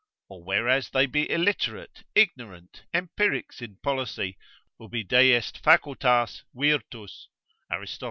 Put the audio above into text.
Or whereas they be illiterate, ignorant, empirics in policy, ubi deest facultas, virtus (Aristot.